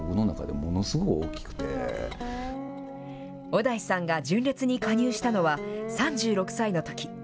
小田井さんが純烈に加入したのは３６歳のとき。